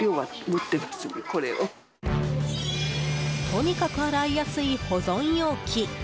とにかく洗いやすい保存容器。